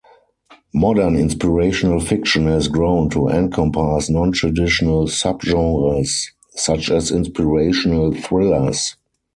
Modern inspirational fiction has grown to encompass non-traditional subgenres, such as inspirational thrillers.